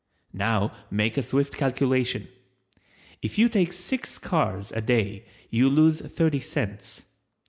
Now make a swift calculation— If you take six cars a day you lose thirty cents.